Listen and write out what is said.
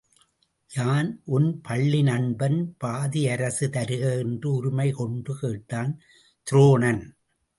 யான் உன் பள்ளி நண்பன் பாதி அரசு தருக என்று உரிமை கொண்டு கேட்டான் துரோணன்.